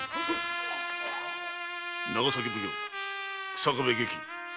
長崎奉行・日下部外記